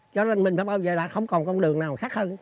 cho nên mình phải bảo vệ đảng không còn con đường nào khác hơn